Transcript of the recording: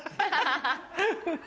ハハハハ！